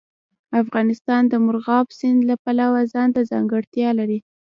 افغانستان د مورغاب سیند له پلوه ځانته ځانګړتیا لري.